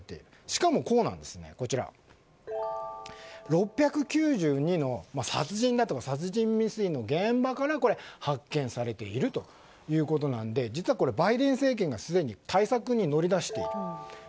しかも、６９２の殺人だとか殺人未遂の現場から発券されているということなんで実は、バイデン政権がすでに対策に乗り出している。